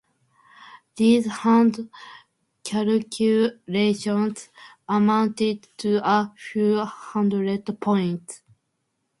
These hand calculations amounted to "a few hundred points".